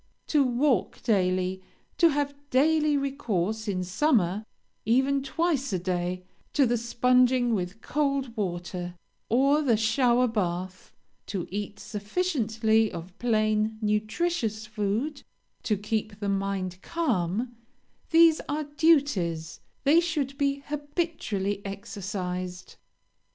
To walk daily; to have daily recourse, in summer, even twice a day, to the sponging with cold water, or the shower bath; to eat sufficiently of plain, nutritious food; to keep the mind calm these are duties; they should be habitually exercised.